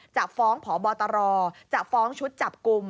จะฟ้องพบตรจะฟ้องชุดจับกลุ่ม